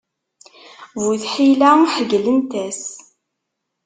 Bu tḥila, ḥeyylent-as.